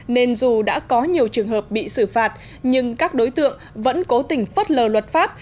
nên dù đã có nhiều trường hợp bị xử phạt nhưng các đối tượng vẫn cố tình phất lờ luật pháp